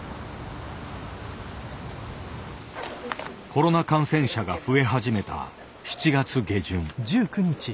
コロナ感染者が増え始めた７月下旬。